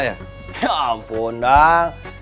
ya ampun dang